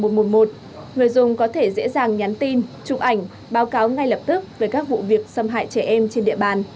người dùng có thể dễ dàng nhắn tin chụp ảnh báo cáo ngay lập tức về các vụ việc xâm hại trẻ em trên địa bàn